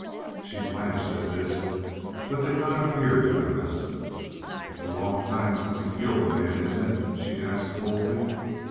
She blanched at this, but did not appear to notice. "It's a long time since you've killed a man, isn't it?" she asked coldly.